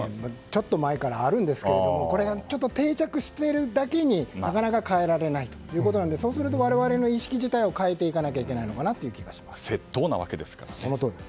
ちょっと前からあるんですが定着しているだけに、なかなか変えられないということでそうすると我々の意識自体を変えていかないと窃盗なわけですからね。